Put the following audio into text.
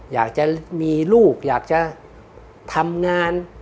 อยากจะมีลูกอยากจะทำงาน